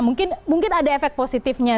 mungkin ada efek positifnya